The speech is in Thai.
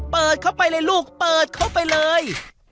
เปิดเข้าไปเลยลูกเปิดเข้าไปเลย